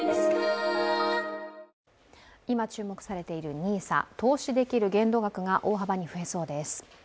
今、注目されているＮＩＳＡ、投資できる限度額が大幅に増えそうです。